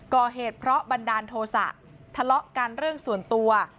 ก่อเหตุเพราะบันดาลโทษะทะเลาะกันเรื่องส่วนตัว